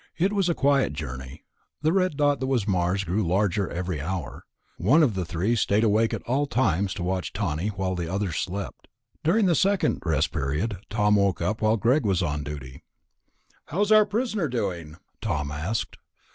It was a quiet journey. The red dot that was Mars grew larger every hour. One of the three stayed awake at all times to watch Tawney while the others slept. During the second rest period, Tom woke up while Greg was on duty. "How's our prisoner doing?" Tom asked.